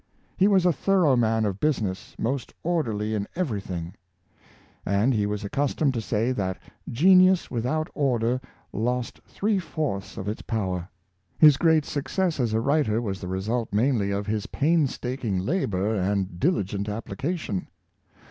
He was a thorough man of business, most orderly in every thing; and he was accustomed to say that genius with out order lost three fourths of its power. His great success as a writer was the result mainly of his pains taking labor and diligent application.